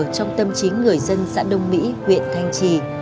trong tâm chính người dân xã đông mỹ huyện thanh trì